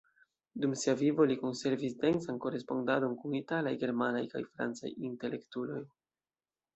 Dum sia vivo li konservis densan korespondadon kun italaj, germanaj kaj francaj intelektuloj.